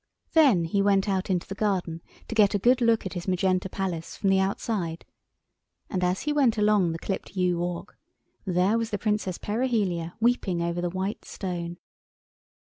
Then he went out into the garden to get a good look at his magenta Palace from the outside, and as he went along the clipped yew walk there was the Princess Perihelia weeping over the white stone.